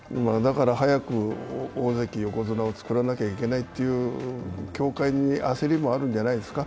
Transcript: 早く大関、横綱を作らなきゃいけないって協会に焦りもあるんじゃないですか？